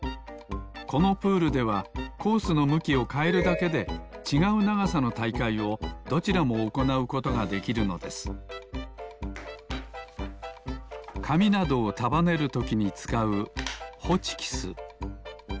このプールではコースのむきをかえるだけでちがうながさのたいかいをどちらもおこなうことができるのですかみなどをたばねるときにつかうホチキス。